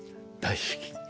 大好き。